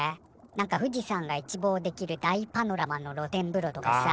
何か富士山が一望できる大パノラマの露天風呂とかさ。